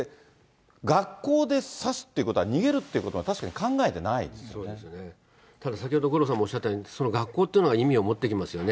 学校で刺すということは逃げるっていうこと、確かに考えてないでただ先ほど五郎さんもおっしゃったように、学校というのが意味を持ってきますよね。